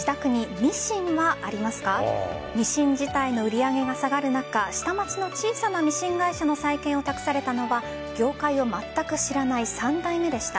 ミシン自体の売り上げが下がる中下町の小さなミシン会社の再建を託されたのは業界をまったく知らない３代目でした。